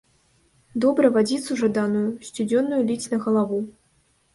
Добра вадзіцу жаданую, сцюдзёнаю ліць на галаву.